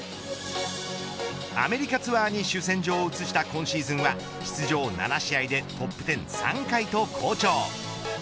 アメリカツアーに主戦場を移した今シーズンは出場７試合でトップ１０、３回と好調。